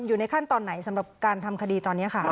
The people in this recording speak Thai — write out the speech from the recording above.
อยู่ในขั้นตอนไหนสำหรับการทำคดีตอนนี้ค่ะ